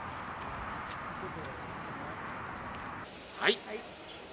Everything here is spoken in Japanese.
はい。